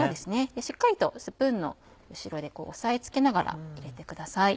しっかりとスプーンの後ろで押さえ付けながら入れてください。